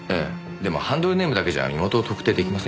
でもハンドルネームだけじゃ身元を特定出来ませんよ。